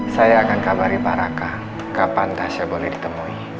saya akan kabari pak raka kapan tasya boleh ditemui